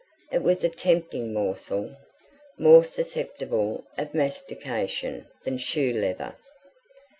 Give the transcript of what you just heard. It was a tempting morsel more susceptible of mastication than shoe leather.